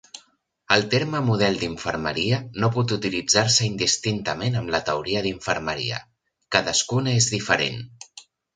El terme model d'infermeria no pot utilitzar-se indistintament amb la teoria d'infermeria, cadascuna és diferent.